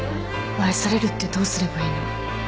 愛されるってどうすればいいの？